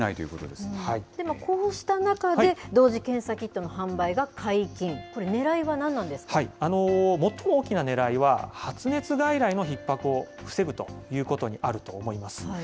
でも、こうした中で同時検査キットの販売が解禁、これ、最も大きなねらいは、発熱外来のひっ迫を防ぐということにあると思います。